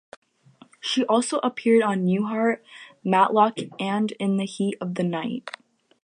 She also appeared on "Newhart", "Matlock" and "In the Heat of the Night".